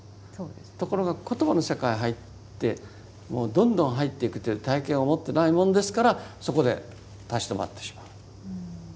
ところが言葉の世界へ入ってもうどんどん入っていくという体験を持ってないもんですからそこで立ち止まってしまう。